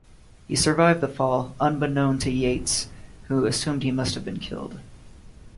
He survived the fall, unbeknown to Yates, who assumed he must have been killed.